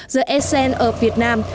giữa essen ở việt nam